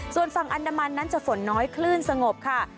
ส่วนฝั่งอันดามันนั้นจะฝนน้อยคลื่นสงบค่ะ